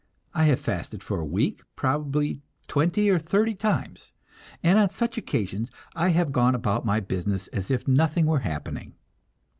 I have fasted for a week probably twenty or thirty times, and on such occasions I have gone about my business as if nothing were happening.